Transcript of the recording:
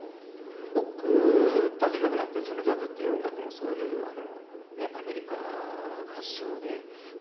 僕たちがやってるジャズという音楽も、アメリカ発祥で